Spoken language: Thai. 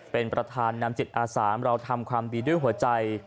เป็นประธานนำจิตอาสาเราทำความดีด้วยหัวใจ